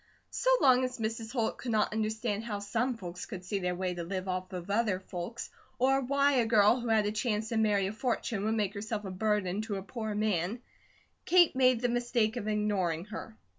So long as Mrs. Holt could not understand how some folks could see their way to live off of other folks, or why a girl who had a chance to marry a fortune would make herself a burden to a poor man, Kate made the mistake of ignoring her.